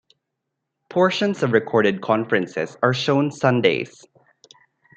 Portions of recorded conferences are shown Sundays.